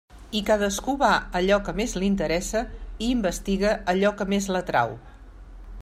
I cadascú va a allò que més li interessa i investiga allò que més l'atrau.